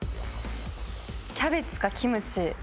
キャベツかキムチ